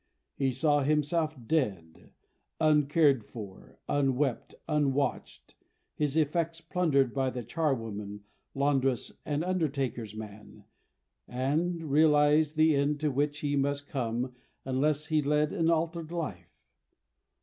He saw himself dead, uncared for, unwept, unwatched, his effects plundered by the charwoman, laundress, and undertaker's man and realized the end to which he must come unless he led an altered life.